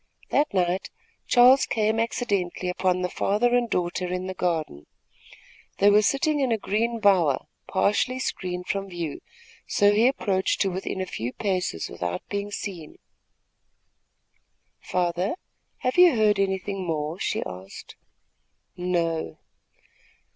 That night Charles came accidentally upon the father and daughter in the garden. They were sitting in a green bower, partially screened from view, so he approached to within a few paces without being seen. "Father, have you heard anything more?" she asked. "No."